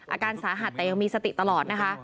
อาการสาหัสแต่ยังมีสติตลอดนะคะ